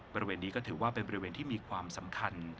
บริเวณนี้ก็ถือว่าเป็นบริเวณที่มีความสำคัญ